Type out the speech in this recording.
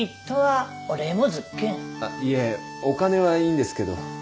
いえお金はいいんですけど。